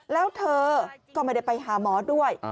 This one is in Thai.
แล้วเธอก็ไม่ได้ไปหาหมอด้วย